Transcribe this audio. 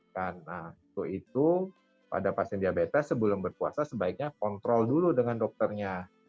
karena itu pada pasien diabetes sebelum berpuasa sebaiknya kontrol dulu dengan dokternya